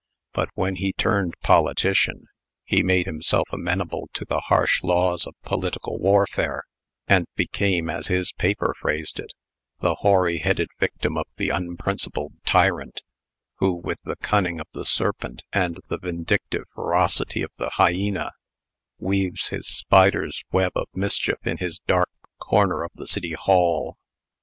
But, when he turned politician, he made himself amenable to the harsh laws of political warfare, and became (as his paper phrased it) "the hoary headed victim of the unprincipled tyrant who, with the cunning of the serpent and the vindictive ferocity of the hyena, weaves his spider's web of mischief in his dark corner of the City Hall."